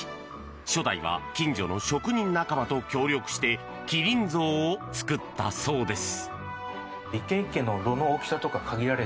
初代は近所の職人仲間と協力して麒麟像を作ったそうです。